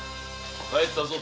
帰ったぞ。